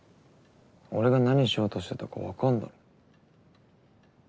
俺が何しようとしてたか分かんだろ。